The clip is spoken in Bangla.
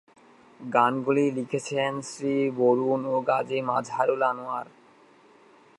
গানগুলি লিখেছেন শ্রী বরুণ ও গাজী মাজহারুল আনোয়ার।